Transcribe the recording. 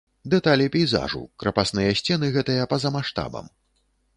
Дэталі пейзажу, крапасныя сцены гэтыя па-за маштабам.